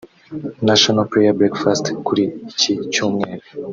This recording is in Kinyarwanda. ‘National Prayer Breakfast’ kuri iki cyumweru